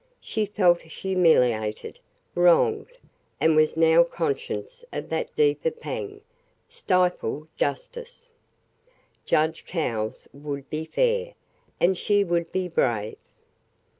She felt humiliated, wronged, and was now conscious of that deeper pang stifled justice. Judge Cowles would be fair and she would be brave.